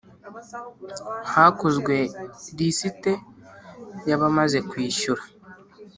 Hakozwe lisite yabamaze kwishyura